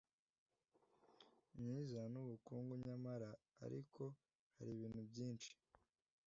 myiza n ubukungu nyamara ariko hari ibintu byinshi